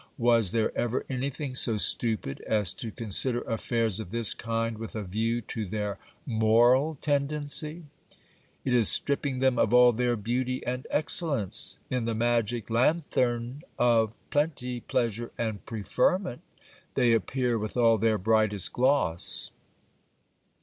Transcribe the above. Was there ever anything so stupid as to consider affairs of this kind with a view to their moral tendency ? It is stripping them of all their beauty and excellence. In the magic lanthorn of plenty, pleasure, and preferment, they appear with all their brightest gloss.